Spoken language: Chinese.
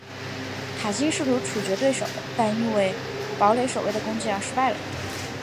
塔金试图处决对手但因为堡垒守卫的攻击而失败了。